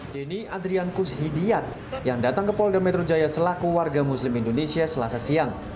deni adrian kus hidiat yang datang ke mapolda metro jaya selaku warga muslim indonesia selasa siang